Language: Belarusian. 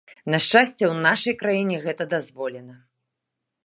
На шчасце, у нашай краіне гэта дазволена.